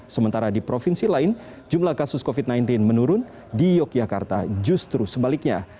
sementara di provinsi lain jumlah kasus covid sembilan belas menurun di yogyakarta justru sebaliknya